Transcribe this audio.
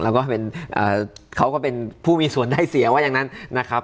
แล้วก็เป็นเขาก็เป็นผู้มีส่วนได้เสียงว่าอย่างนั้นนะครับ